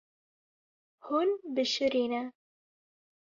Hûn bişirîne.